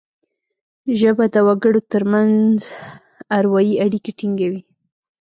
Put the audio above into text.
ژبه د وګړو ترمنځ اروايي اړیکي ټینګوي